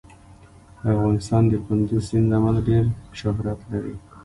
افغانستان د کندز سیند له امله ډېر شهرت لري.